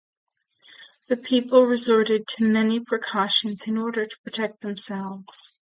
The people resorted to many precautions in order to protect themselves.